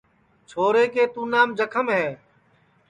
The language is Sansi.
چھورے کُے تُونام جکھم ہے